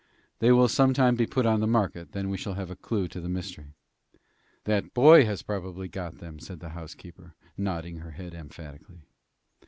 "They will some time be put on the market, and then we shall have a clew to the mystery." "That boy has probably got them," said the housekeeper, nodding her head emphatically.